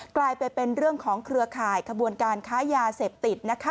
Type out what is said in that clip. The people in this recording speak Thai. กลายไปเป็นเกลือข่ายขบวนการค้ายาเสพติด